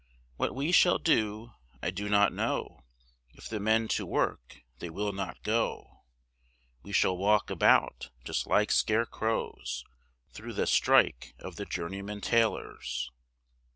What we shall do, I do not know, If the men to work they will not go, We shall walk about just like scarecrows, Thro' the strike of the Journeymen Tailors.